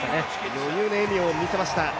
余裕の笑みを見せました。